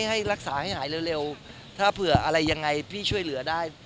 ให้รักษาให้หายเร็วถ้าเผื่ออะไรยังไงพี่ช่วยเหลือได้